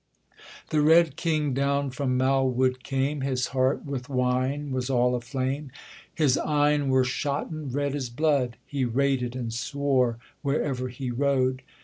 The Red King down from Malwood came; His heart with wine was all aflame, His eyne were shotten, red as blood, He rated and swore, wherever he rode.